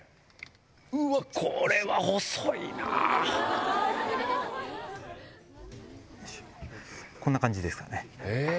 うわっこれは細いなぁこんな感じですかねへぇ！